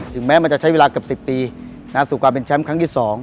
แม้มันจะใช้เวลาเกือบ๑๐ปีสู่การเป็นแชมป์ครั้งที่๒